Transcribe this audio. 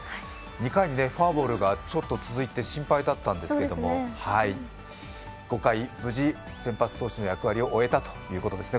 ２回にフォアボールが続いて心配だったんですが、５回、無事先発投手の役割を終えたということですね。